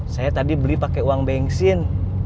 saya tadi beli pakai uang bensin